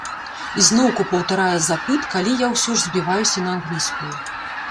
І зноўку паўтарае запыт, калі я ўсё ж збіваюся на англійскую.